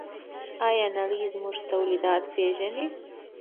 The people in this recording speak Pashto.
آیا نړۍ زموږ تولیدات پیژني؟